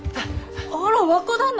あら若旦那！